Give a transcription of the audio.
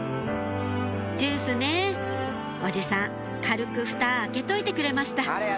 ジュースねおじさん軽くフタ開けといてくれました